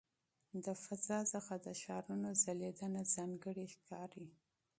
د فضا څخه د ښارونو ځلېدنه ځانګړې ښکاري.